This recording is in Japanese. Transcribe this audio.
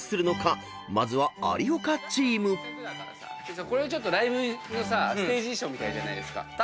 ［まずは有岡チーム］これライブのさステージ衣装みたいじゃないですか。